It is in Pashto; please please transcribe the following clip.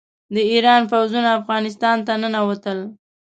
د ایران پوځونه افغانستان ته ننوتل.